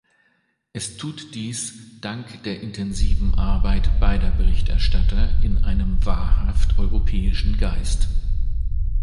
Es tut dies dank der intensiven Arbeit beider Berichterstatter in einem wahrhaft europäischen Geist.